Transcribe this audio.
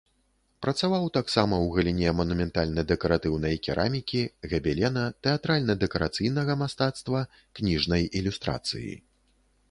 Працаваў таксама ў галіне манументальна-дэкаратыўнай керамікі, габелена, тэатральна-дэкарацыйнага мастацтва, кніжнай ілюстрацыі.